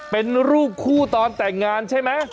เป็นรูปคู่ตอนแต่งงานใช่ไหม